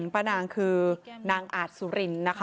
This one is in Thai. ป้านางคือนางอาจสุรินนะคะ